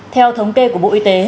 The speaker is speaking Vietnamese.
theo thống kê của bộ y tế